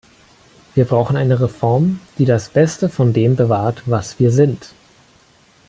Wir brauchen eine Reform, die das Beste von dem bewahrt, was wir sind.